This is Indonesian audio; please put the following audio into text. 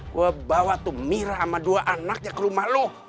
gue bawa tuh mira sama dua anaknya ke rumah lo